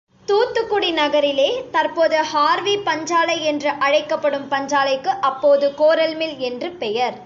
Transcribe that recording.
தூத்துக்குடி நகரிலே தற்போது ஹார்வி பஞ்சாலை என்று அழைக்கப்படும் பஞ்சாலைக்கு அப்போது கோரல்மில் என்று பெயர்.